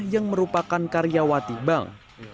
yang merupakan karyawati bank